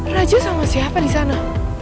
raju sama siapa di sana